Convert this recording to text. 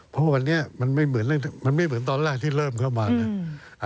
เพราะวันนี้มันไม่เหมือนตอนแรกที่เริ่มเข้ามา